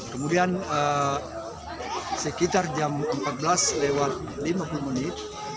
kemudian sekitar jam empat belas lewat lima puluh menit